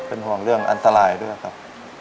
เป็นห่วงเรื่องอันตรายด้วยครับ